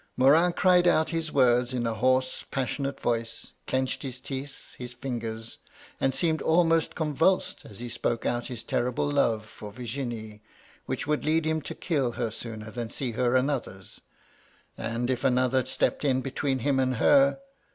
Morin cried out his words in a hoarse, passionate voice, clenched his teeth, his fingers, and seemed almost convulsed, as he spoke out his terrible love for Virginie, which would lead him to kill her sooner than see her another's; and if another stepped in between him and her